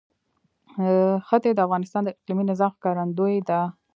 ښتې د افغانستان د اقلیمي نظام ښکارندوی ده.